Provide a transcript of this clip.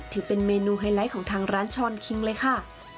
ถือเป็นเมนูไฮไลท์ของทางร้านช้อนคิงเลยค่ะ